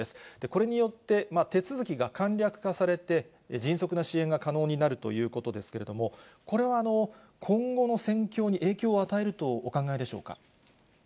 これによって、手続きが簡略化されて、迅速な支援が可能になるということですけれども、これは、今後の戦況に影響を与えるとお考えでしょうか。